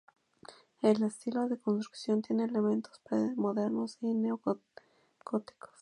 El estilo de construcción tiene elementos pre-modernos y neo-góticos.